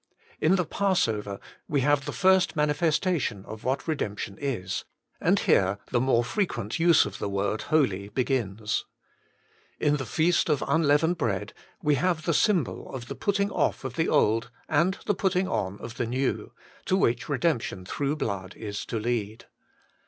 In the passover we have the first manifestation of what Redemption is ; and here the more frequent use of the word holy begins. In the feast of unleavened bread we have the symbol of the putting off of the old and the putting on of the new, to which re demption through blood is to lead.